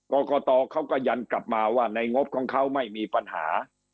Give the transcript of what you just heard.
กรกตเขาก็ยันกลับมาว่าในงบของเขาไม่มีปัญหา